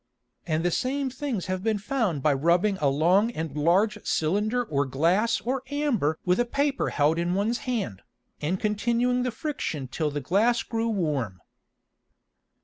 And the same things have been found by rubbing a long and large Cylinder or Glass or Amber with a Paper held in ones hand, and continuing the friction till the Glass grew warm.